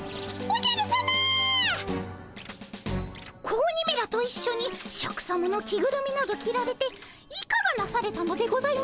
子鬼めらと一緒にシャクさまの着ぐるみなど着られていかがなされたのでございますか？